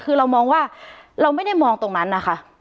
คือเรามองว่าเราไม่ได้มองตรงนั้นนะคะ